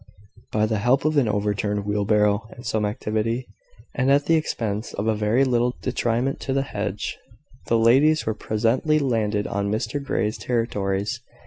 By the help of an overturned wheelbarrow, and some activity, and at the expense of a very little detriment to the hedge, the ladies were presently landed on Mr Grey's territories.